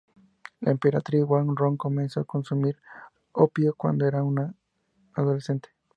La emperatriz Wan Rong comenzó a consumir opio cuando era una adolescente.